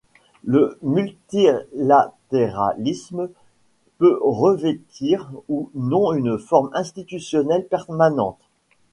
Le multilatéralisme peut revêtir ou non une forme institutionnelle permanente.